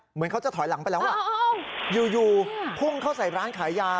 เหมือนเขาจะถอยหลังไปแล้วว่ะอ้าวอ้าวอยู่อยู่เนี่ยพุ่งเข้าใส่ร้านขายยา